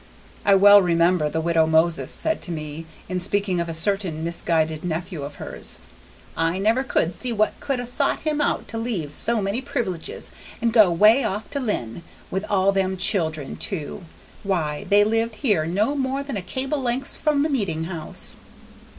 I well remember the Widow Moses said to me, in speaking of a certain misguided nephew of hers, "I never could see what could 'a' sot him out to leave so many privileges and go way off to Lynn, with all them children too. Why, they lived here no more than a cable's length from the meetin' house!"